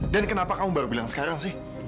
dan kenapa kamu baru bilang sekarang sih